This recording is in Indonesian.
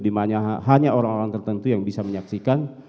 dimana hanya orang orang tertentu yang bisa menyaksikan